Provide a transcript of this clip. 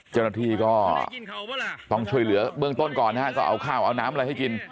เจ้าหน้าที่ก็ต้องช่วยเหลือเบื้องต้นก่อนนะฮะก็เอาข้าวเอาน้ำอะไรให้กิน